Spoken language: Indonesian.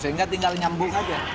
sehingga tinggal nyambung aja